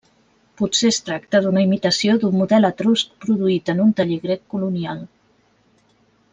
Potser es tracta d’una imitació d’un model etrusc produït en un taller grec colonial.